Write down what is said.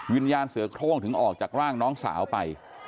วิญญาณเสือโครงถึงออกจากร่างน้องสาวไป